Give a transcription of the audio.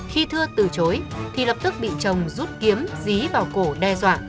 khi thưa từ chối thì lập tức bị chồng rút kiếm dí vào cổ đe dọa